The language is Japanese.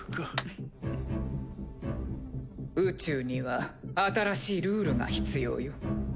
宇宙には新しいルールが必要よ。